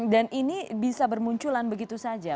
dan ini bisa bermunculan begitu saja